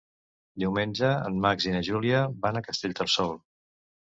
Diumenge en Max i na Júlia van a Castellterçol.